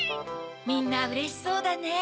みんなうれしそうだね。